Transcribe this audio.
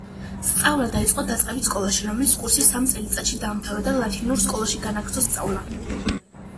სწავლა დაიწყო დაწყებით სკოლაში, რომლის კურსი სამ წელიწადში დაამთავრა და ლათინურ სკოლაში განაგრძო სწავლა.